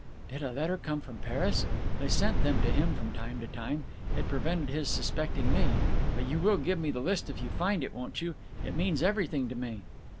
"Did a letter come from Paris? They sent them to him from time to time. It prevented his suspecting me. But you will give me the list if you find it, won't you? It means everything to me."